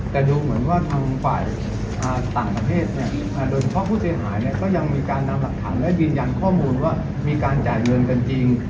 แต่ดูเหมือนว่าทางฝ่ายต่างประเทศโดยเฉพาะผู้เสียหายก็ยังมีการนำหลักฐานและยืนยันข้อมูลว่ามีการจ่ายเงินกันจริง